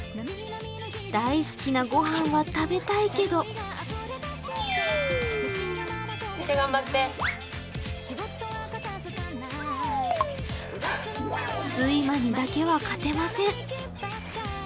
大好きなご飯は食べたいけど睡魔にだけは勝てません。